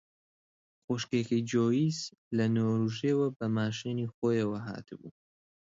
خوشکێکی جۆیس لە نۆروێژەوە بە ماشێنی خۆیەوە هاتبوو